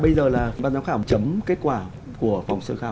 bây giờ là ban giám khảo chấm kết quả của vòng sơ khảo